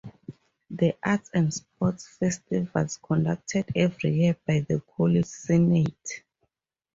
The arts and sports festivals conducted every year by the college senate.